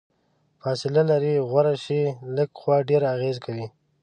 فاصله لرې غوره شي، لږه قوه ډیره اغیزه کوي.